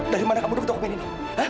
dari mana kamu tahu aku main ini